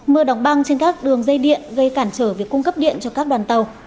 mưa đóng băng trên các đường dây điện gây cản trở việc cung cấp điện cho các đoàn tàu